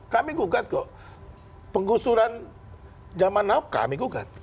kami gugat kok penggusuran zaman now kami gugat